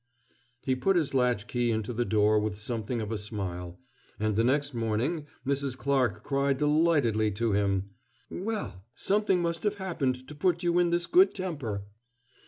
He put his latch key into the door with something of a smile; and the next morning Mrs. Clarke cried delightedly to him: "Well, something must have happened to put you in this good temper!"